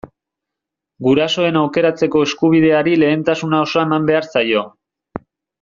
Gurasoen aukeratzeko eskubideari lehentasuna osoa eman behar zaio.